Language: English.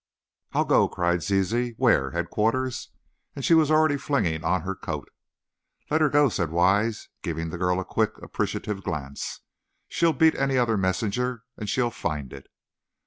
"I'll go!" cried Zizi; "where? Headquarters?" and she was already flinging on her coat. "Let her go," said Wise, giving the girl a quick, appreciative glance. "She'll beat any other messenger, and she'll find it."